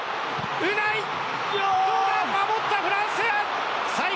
どうだ、守ったフランス！